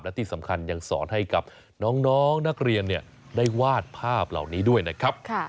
และที่สำคัญยังสอนให้กับน้องนักเรียนได้วาดภาพเหล่านี้ด้วยนะครับ